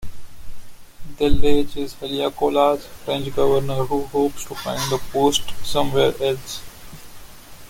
De Lage is Haleakaloha's French governor, who hopes to find a post somewhere else.